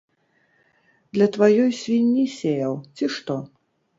Для тваёй свінні сеяў, ці што?